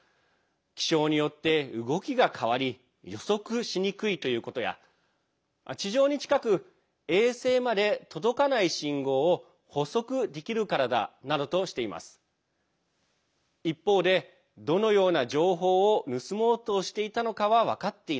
気象によって動きが変わり予測しにくいということや地上に近く衛星まで届かない信号を捕捉できるからだなどとしています。